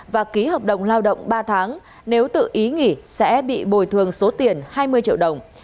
và ký hợp đồng lao động ba tháng nếu tự ý nghỉ sẽ bị bồi thường số tiền hai mươi triệu đồng